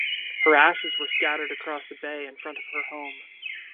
Her ashes were scattered across the bay in front of her home.